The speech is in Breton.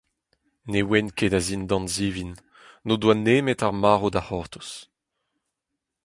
Ne oant ket a-zindan-zivin, n'o doa nemet ar marv da c'hortoz.